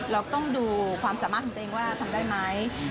เราต้องดูความสามารถของตัวเองว่าทำได้ไหม